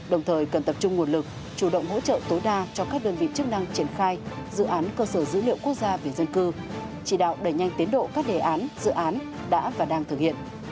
đồng thời cần tập trung nguồn lực chủ động hỗ trợ tối đa cho các đơn vị chức năng triển khai dự án cơ sở dữ liệu quốc gia về dân cư chỉ đạo đẩy nhanh tiến độ các đề án dự án đã và đang thực hiện